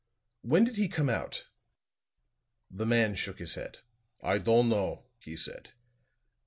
"When did he come out?" The man shook his head. "I don'd know," he said.